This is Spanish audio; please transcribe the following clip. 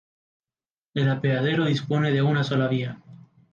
El apeadero dispone de una sola vía.